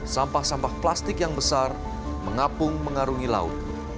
sampah sampah plastik yang besar mengapung mengarungi laut